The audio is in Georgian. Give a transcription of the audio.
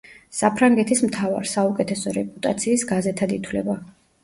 საფრანგეთის მთავარ, საუკეთესო რეპუტაციის გაზეთად ითვლება.